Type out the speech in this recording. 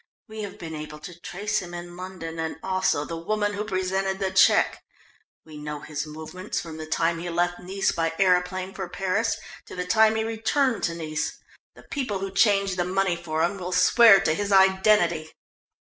"We have been able to trace him in London and also the woman who presented the cheque. We know his movements from the time he left Nice by aeroplane for Paris to the time he returned to Nice. The people who changed the money for him will swear to his identity."